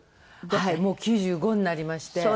もう９５になりまして。